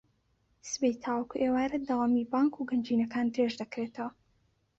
سبەی تاوەکو ئێوارە دەوامی بانک و گەنجینەکان درێژدەکرێتەوە